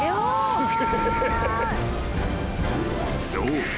［そう。